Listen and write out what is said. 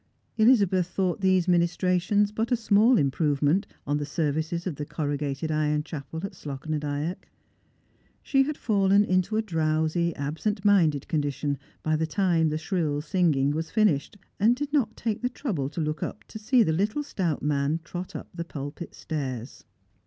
Elizabeth thought these minis trations but a small improvement on the services of the corru gated iron chapel at Slogh na Dyack. She had fallen into a drowsy absent minded condition by the time the shrill singiiifj was finished, and did not take the trouble to look np to see the little stout man trot up the I'ulpit stairs.